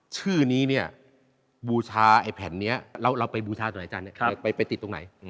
ชื่อนี้เนี่ยบูชาไอแผ่นนี้เราไปบูชาตรงไหนจ้านเนี่ยไปติดตรงไหน